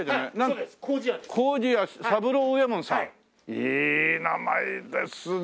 いい名前ですね。